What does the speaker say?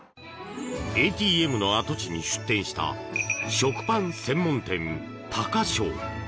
ＡＴＭの跡地に出店した食パン専門店、高匠。